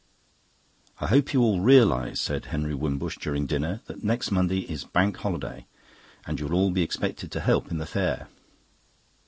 I hope you all realise," said Henry Wimbush during dinner, "that next Monday is Bank Holiday, and that you will all be expected to help in the Fair."